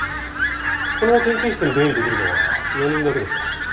この研究室に出入りできるのは４人だけですか？